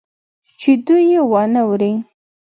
چې دوى يې وانه وري.